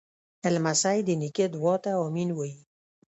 لمسی د نیکه دعا ته “امین” وایي.